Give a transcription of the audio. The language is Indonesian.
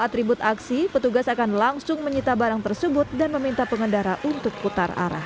atribut aksi petugas akan langsung menyita barang tersebut dan meminta pengendara untuk putar arah